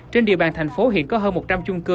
trên địa bàn thành phố hiện có hơn một trăm linh chung cư